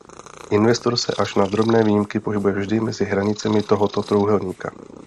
Investor se až na drobné výjimky pohybuje vždy mezi hranicemi tohoto trojúhelníka.